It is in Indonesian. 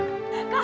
kak kak iko kak nur